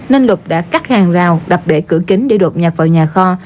nên lục đã cắt hàng rào đập để cửa kính để đột nhập vào nhà kho